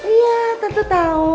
iya tante tau